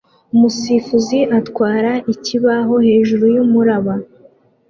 umusifuzi atwara ikibaho hejuru yumuraba